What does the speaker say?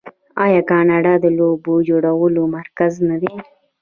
آیا کاناډا د لوبو جوړولو مرکز نه دی؟